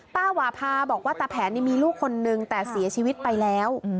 หวาพาบอกว่าตะแผนนี่มีลูกคนนึงแต่เสียชีวิตไปแล้ว